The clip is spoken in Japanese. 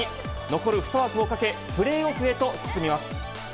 残る２枠をかけ、プレーオフへと進みます。